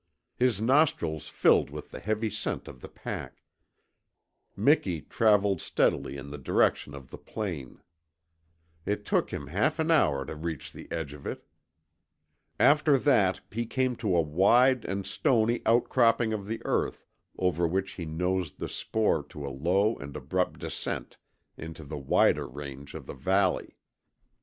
His nostrils filled with the heavy scent of the pack, Miki travelled steadily in the direction of the plain. It took him half an hour to reach the edge of it. After that he came to a wide and stony out cropping of the earth over which he nosed the spoor to a low and abrupt descent into the wider range of the valley.